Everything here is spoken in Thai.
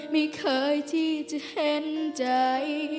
ไม่เคยที่จะเห็นใจ